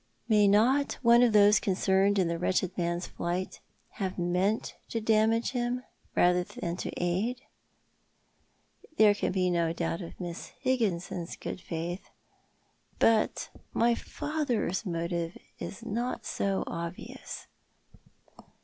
May not one of those concerned in the wretched man's flight have meant to damage him rather than to aid ? There can be no doubt of ]\Iiss Higginson's good faith— but my father's motive is not so obvious.